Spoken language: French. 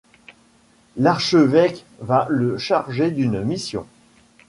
L'Archevêque va le charger d'une mission.